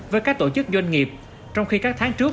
với các tổ chức doanh nghiệp trong khi các tháng trước